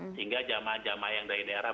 sehingga jamaah jamaah yang dari daerah